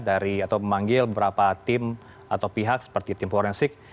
dari atau memanggil beberapa tim atau pihak seperti tim forensik